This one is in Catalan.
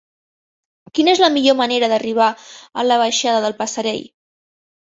Quina és la millor manera d'arribar a la baixada del Passerell?